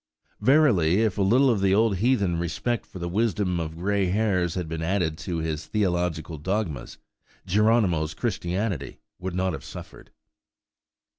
Verily, if a little of the old heathen respect for the wisdom of grey hairs had been added to his theological dogmas, Geronimo's Christianity would not have suffered.